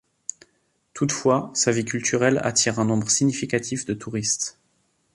Toutefois, sa vie culturelle attire un nombre significatif de touristes.